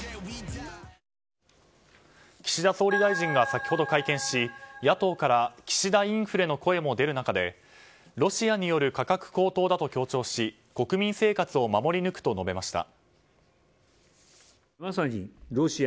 岸田総理大臣が先ほど会見し野党から岸田インフレの声も出る中でロシアによる価格高騰だと強調し国民生活を守り抜くと述べました。